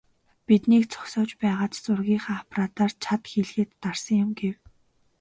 "Биднийг зогсоож байгаад зургийнхаа аппаратаар чад хийлгээд дарсан юм" гэв.